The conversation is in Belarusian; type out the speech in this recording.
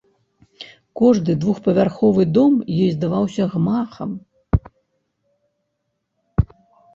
Кожны двухпавярховы дом ёй здаваўся гмахам.